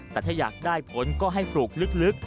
แต่ถ้าอยากได้ผลก็ให้ปลูกลึก